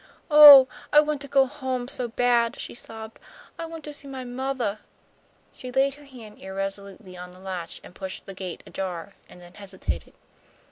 "Oh, I want to go home so bad!" she sobbed. "I want to see my mothah." She laid her hand irresolutely on the latch, pushed the gate ajar, and then hesitated.